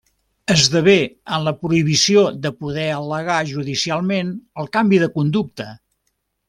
Esdevé en la prohibició de poder al·legar judicialment el canvi de conducta.